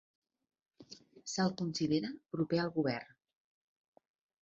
Se'l considera proper al govern.